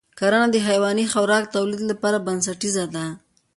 کرنه د حیواني خوراک د تولید لپاره بنسټیزه ده.